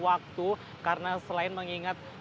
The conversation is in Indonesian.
waktu karena selain mengingat